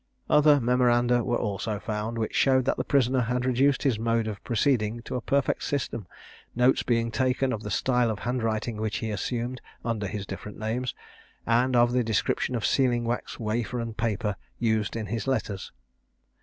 Other memoranda were also found, which showed that the prisoner had reduced his mode of proceeding to a perfect system, notes being taken of the style of handwriting which he assumed, under his different names, and of the description of sealing wax, wafer, and paper, used in his letters.